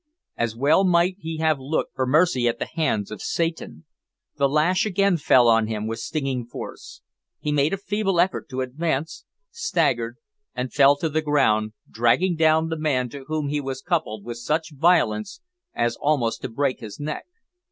As well might he have looked for mercy at the hands of Satan. The lash again fell on him with stinging force. He made a feeble effort to advance, staggered, and fell to the ground, dragging down the man to whom he was coupled with such violence as almost to break his neck.